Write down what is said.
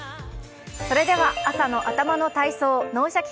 それでは、朝の頭の体操「脳シャキ！